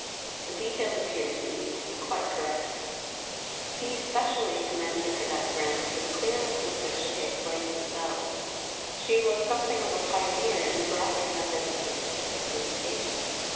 The details appear to me to be quite correct." He specially commended her diagrams for the clearness with which they explained themselves. She was something of a pioneer in the graphic method of statistical presentation.